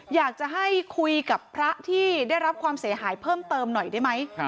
อยากจะให้คุยกับพระที่ได้รับความเสียหายเพิ่มเติมหน่อยได้ไหม